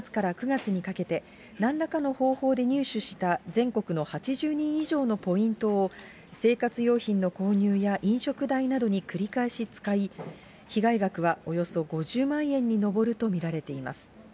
八木容疑者は去年４月から９月にかけて、なんらかの方法で入手した全国の８０人以上のポイントを、生活用品の購入や飲食代などに繰り返し使い、被害額はおよそ５０万円に上ると見られています。